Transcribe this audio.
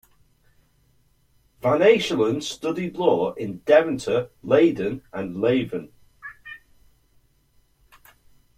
Van Achelen studied law in Deventer, Leiden and Leuven.